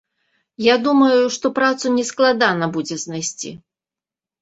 Я думаю, што працу нескладана будзе знайсці.